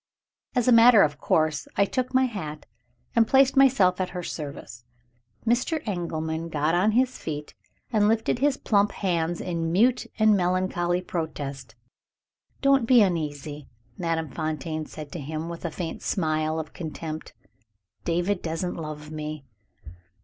As a matter of course I took my hat, and placed myself at her service. Mr. Engelman got on his feet, and lifted his plump hands in mute and melancholy protest. "Don't be uneasy," Madame Fontaine said to him, with a faint smile of contempt. "David doesn't love me!"